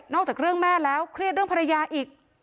จากเรื่องแม่แล้วเครียดเรื่องภรรยาอีก